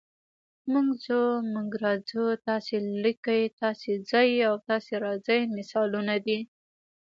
موږ ځو، موږ راځو، تاسې لیکئ، تاسو ځئ او تاسو راځئ مثالونه دي.